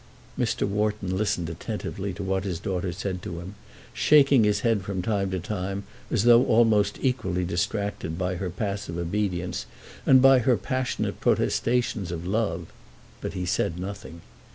Mr. Wharton listened attentively to what his daughter said to him, shaking his head from time to time as though almost equally distracted by her passive obedience and by her passionate protestations of love; but he said nothing.